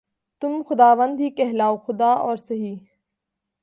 تم خداوند ہی کہلاؤ‘ خدا اور سہی